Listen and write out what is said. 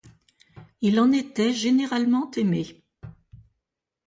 Il en était généralement aimé.